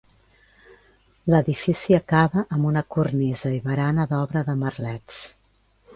L'edifici acaba amb una cornisa i barana d'obra de merlets.